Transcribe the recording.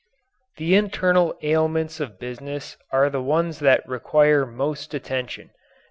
The internal ailments of business are the ones that require most attention.